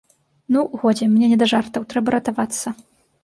Ну, годзе, мне не да жартаў, трэба ратавацца.